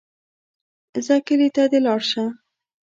ځه کلي ته دې لاړ شه.